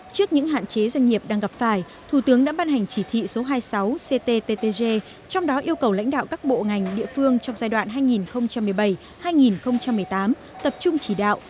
trước những hạn chế doanh nghiệp đang gặp phải thủ tướng đã ban hành chỉ thị số hai mươi sáu cttg trong đó yêu cầu lãnh đạo các bộ ngành địa phương trong giai đoạn hai nghìn một mươi bảy hai nghìn một mươi tám tập trung chỉ đạo